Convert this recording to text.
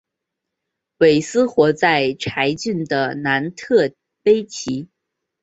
韦斯活在柴郡的南特威奇。